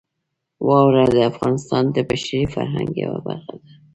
واوره د افغانستان د بشري فرهنګ یوه برخه ده.